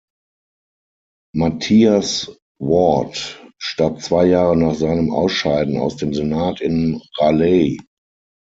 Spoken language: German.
Matthias Ward starb zwei Jahre nach seinem Ausscheiden aus dem Senat in Raleigh.